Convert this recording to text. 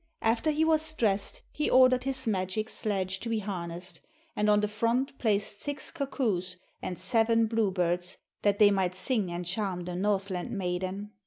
After he was dressed he ordered his magic sledge to be harnessed, and on the front placed six cuckoos and seven blue birds that they might sing and charm the Northland maiden.